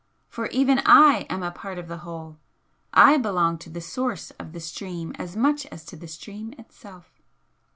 For even I am a part of the whole, I belong to the source of the stream as much as to the stream itself.